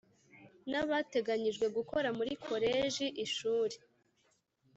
n abateganyijwe gukora muri koleji Ishuri